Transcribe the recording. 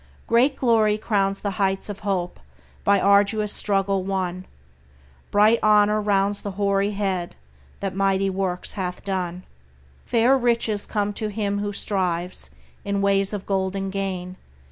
Great glory crowns the heights of hope by arduous struggle won; Bright honor rounds the hoary head that mighty works hath done; Fair riches come to him who strives in ways of golden gain.